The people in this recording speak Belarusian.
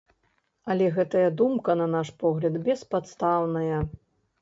Але гэтая думка, на наш погляд, беспадстаўная.